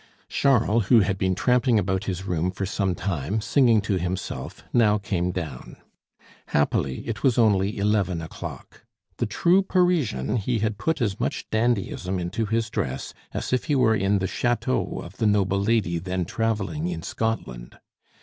Charles, who had been tramping about his room for some time, singing to himself, now came down. Happily, it was only eleven o'clock. The true Parisian! he had put as much dandyism into his dress as if he were in the chateau of the noble lady then travelling in Scotland.